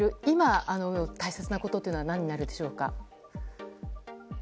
今大切なことというのは何になるでしょうか。